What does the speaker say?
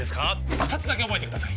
二つだけ覚えてください